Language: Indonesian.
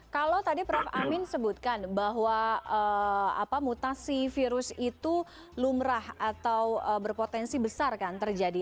kalau tadi prof amin sebutkan bahwa mutasi virus itu lumrah atau berpotensi besar kan terjadi